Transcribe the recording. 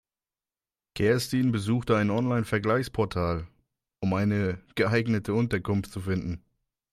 Kerstin besuchte ein Online-Vergleichsportal, um eine geeignete Unterkunft zu finden.